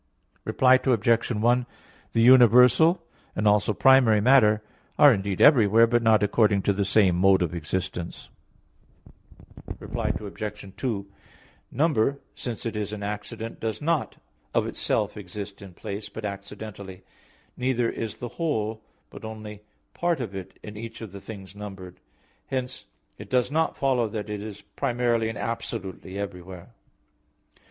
Reply Obj. 1: The universal, and also primary matter are indeed everywhere; but not according to the same mode of existence. Reply Obj. 2: Number, since it is an accident, does not, of itself, exist in place, but accidentally; neither is the whole but only part of it in each of the things numbered; hence it does not follow that it is primarily and absolutely everywhere.